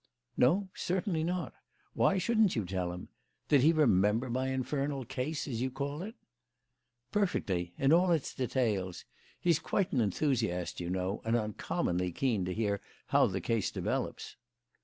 "No. Certainly not. Why shouldn't you tell him? Did he remember my infernal case, as you call it?" "Perfectly, in all its details. He is quite an enthusiast, you know, and uncommonly keen to hear how the case develops."